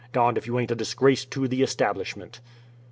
Darned if you aint a disgrace to the establishment."